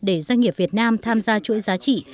để doanh nghiệp việt nam tham gia chuỗi giá trị